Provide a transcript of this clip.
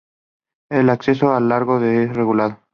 El acceso al lago es regulado.